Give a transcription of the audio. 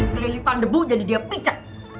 kelilipan debu jadi dia picat